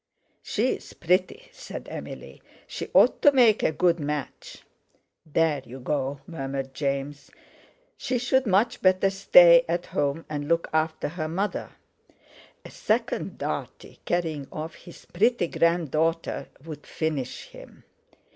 "She is pretty," said Emily; "she ought to make a good match." "There you go," murmured James; "she'd much better stay at home and look after her mother." A second Dartie carrying off his pretty granddaughter would finish him!